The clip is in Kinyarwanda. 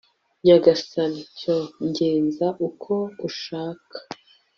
nyagasani cyo ngeza uko ushaka